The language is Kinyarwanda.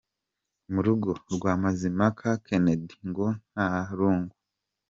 Mu rugo rwa Mazimpaka Kennedy ngo nta rungu.